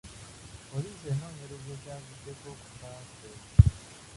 Poliisi enoonyereza ekyaviiriddeko okufa kwe.